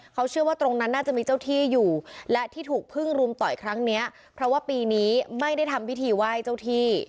เขาเชื่อว่าตรงนั้นน่าจะมีเจ้าที่อยู่และที่ถูกพึ่งรุมต่อยครั้งเนี้ยเพราะว่าปีนี้ไม่ได้ทำพิธีไหว้เจ้าที่